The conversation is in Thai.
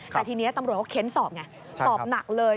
แต่ทีนี้ตำรวจเขาเค้นสอบไงสอบหนักเลย